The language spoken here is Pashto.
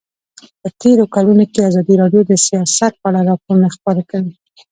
په تېرو کلونو کې ازادي راډیو د سیاست په اړه راپورونه خپاره کړي دي.